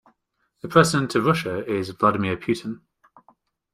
The president of Russia is Vladimir Putin.